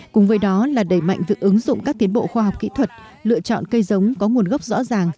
cùng với đó là đẩy mạnh việc ứng dụng các tiến bộ khoa học kỹ thuật lựa chọn cây giống có nguồn gốc rõ ràng